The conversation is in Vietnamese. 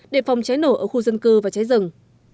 đề phòng trái nổ ở khu dân cư và trái rừng